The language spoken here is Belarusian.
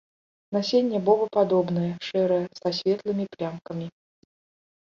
Насенне бобападобнае, шэрае, са светлымі плямкамі.